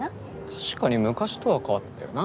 確かに昔とは変わったよな。